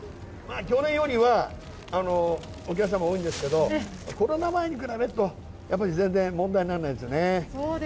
去年よりはお客さんも多いんですけど、コロナ前に比べると、全然問題にならないですね。